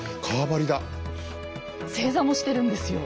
正座もしてるんですよ。